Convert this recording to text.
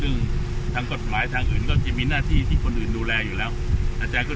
แบบนั้นก็ปรับมาแล้วตั้งแต่ถึงสักทีมันเริ่มทำงานใหม่